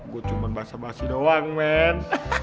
gue cuman bahasa bahasi doang men